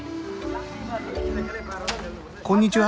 こんにちは。